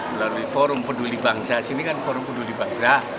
melalui forum peduli bangsa sini kan forum peduli basrah